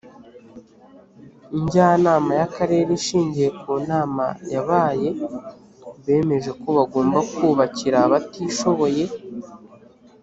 njyanama y’akarere ishingiye ku nama yabaye bemeje ko bagomba kubakira abatishoboye